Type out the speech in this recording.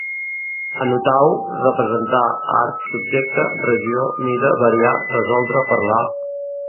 Anotau: representar, art, subjecte, regió, mida, variar, resoldre, parlar